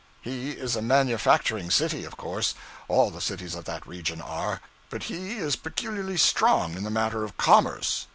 He is a manufacturing city, of course all the cities of that region are but he is peculiarly strong in the matter of commerce.